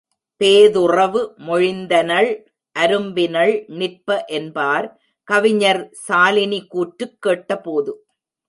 பேதுறவு மொழிந்தனள், அரும்பினள் நிற்ப என்பார் கவிஞர் சாலினி கூற்றுக் கேட்டபோது.